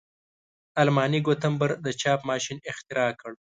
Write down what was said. آلماني ګونتبر د چاپ ماشین اختراع کړ.